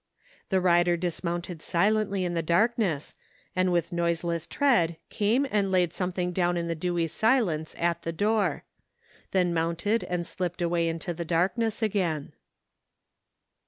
The rider dismounted silently in the darkness and with noiseless tread came and laid something down in the dewy silence at the door. Then mounted and slipped away into the darkness again.